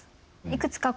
いくつか